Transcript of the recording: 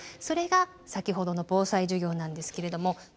それが先ほどの防災授業なんですけれども。